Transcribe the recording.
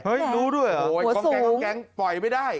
เฮ้ยรู้ด้วยเหรอหัวสูงโอ้โหของแก๊งปล่อยไม่ได้